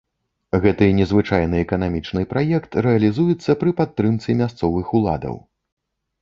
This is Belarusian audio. Гэты незвычайны эканамічны праект рэалізуецца пры падтрымцы мясцовых уладаў.